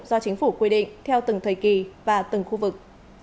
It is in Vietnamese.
do chính phủ quy định theo từng thời kỳ và từng khu vực